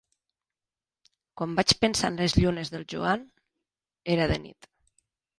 Quan vaig pensar en les llunes del Joan, era de nit.